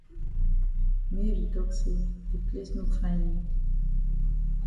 Mary tok say de place no fine yi.